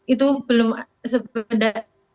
itu belum sebeda